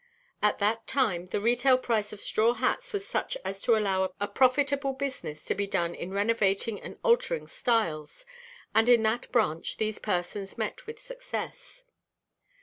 At that time the retail price of straw hats was such as to allow a profitable business to be done in renovating and altering styles, and in that branch these persons met with success.